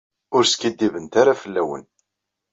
Ur skiddibent ara fell-awen.